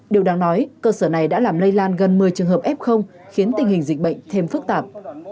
điều đáng nói cơ sở này đã làm lây lan gần một mươi trường hợp f khiến tình hình dịch bệnh thêm phức tạp